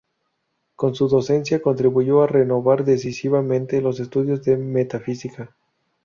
Con su docencia contribuyó a renovar decisivamente los estudios de metafísica.